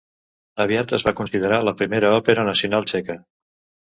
Aviat es va considerar la primera òpera nacional txeca.